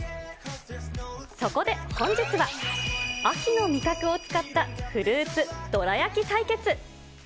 そこで本日は、秋の味覚を使ったフルーツどら焼き対決。